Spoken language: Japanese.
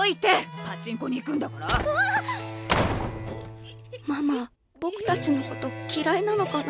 心の声ママぼくたちのこときらいなのかな。